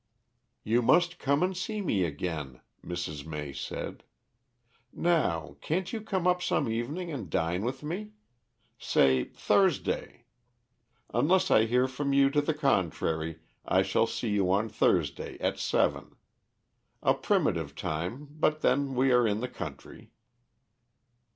"You must come and see me again," Mrs. May said. "Now, can't you come up some evening and dine with me? Say Thursday. Unless I hear from you to the contrary I shall see you on Thursday at seven. A primitive time, but then we are in the country."